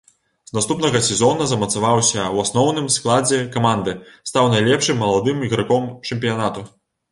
З наступнага сезона замацаваўся ў асноўным складзе каманды, стаў найлепшым маладым іграком чэмпіянату.